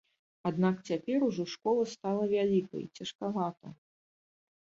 Аднак цяпер ужо школа стала вялікай, цяжкавата.